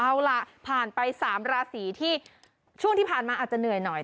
เอาล่ะผ่านไป๓ราศีที่ช่วงที่ผ่านมาอาจจะเหนื่อยหน่อย